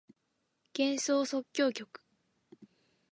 幻想即興曲